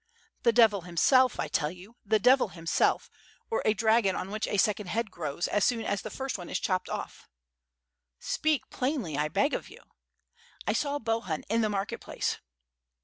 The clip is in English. '' "The devil himself, I tell you, the devil himself, or a dragon on which a second head grows, as soon as the first one is chopped oflf." "Speak plainly, I beg of you?'* "I saw Bohun in the market place."